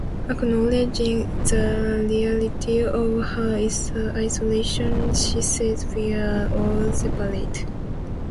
Acknowledging the reality of her isolation, she says, We are all separate.